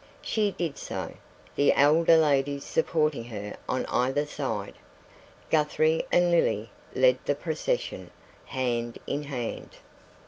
She did so, the elder ladies supporting her on either side. Guthrie and Lily led the procession, hand in hand.